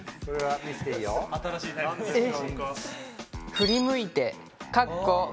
「振り向いて」。